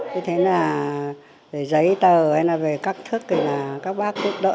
như thế là giấy tờ hay là về các thức thì các bác giúp đỡ